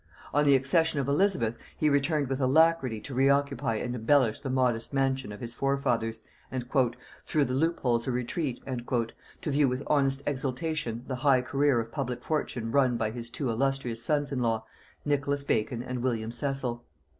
On the accession of Elizabeth he returned with alacrity to re occupy and embellish the modest mansion of his forefathers, and "through the loopholes of retreat" to view with honest exultation the high career of public fortune run by his two illustrious sons in law, Nicholas Bacon and William Cecil.